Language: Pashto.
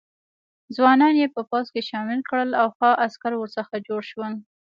ځوانان یې په پوځ کې شامل کړل او ښه عسکر ورڅخه جوړ شول.